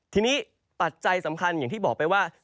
ทีนี้ปัจจัยสำคัญอย่างที่บอกไปว่า